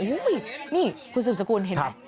นี่คุณสืบสกุลเห็นไหม